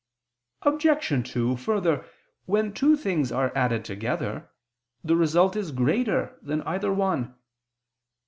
Obj. 2: Further, when two things are added together, the result is greater than either one.